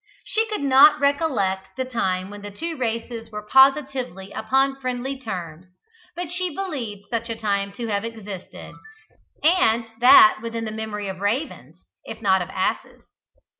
She could not recollect the time when the two races were positively upon friendly terms, but she believed such a time to have existed, and that within the memory of ravens, if not of asses.